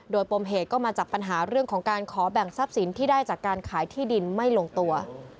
โดยปมเหตุก็มาจากปัญหาเรื่องของการขอแบ่งทรัพย์สินที่ได้จากการขายที่ดินไม่ลงตัว